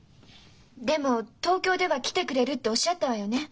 でも東京では「来てくれる」っておっしゃったわよね？